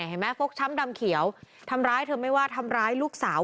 ฟกช้ำดำเขียวทำร้ายเธอไม่ว่าทำร้ายลูกสาว